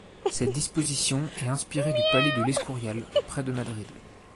Cette disposition est inspirée du palais de l’Escurial près de Madrid.